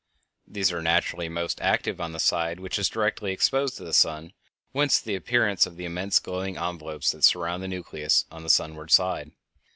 These are naturally most active on the side which is directly exposed to the sun, whence the appearance of the immense glowing envelopes that surround the nucleus on the sunward side.